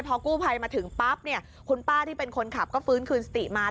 พอกู้ภัยมาถึงปั๊บเนี่ยคุณป้าที่เป็นคนขับก็ฟื้นคืนสติมา